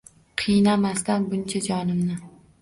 Qiynamasdan buncha jonimni…